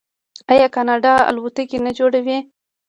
آیا کاناډا الوتکې نه جوړوي؟